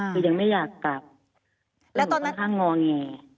คือยังไม่อยากกลับแล้วตอนข้างงอแง